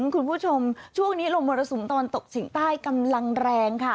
คุณผู้ชมช่วงนี้ลมมรสุมตะวันตกเฉียงใต้กำลังแรงค่ะ